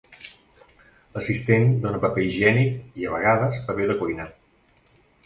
L'assistent dóna paper higiènic i, a vegades, paper de cuina.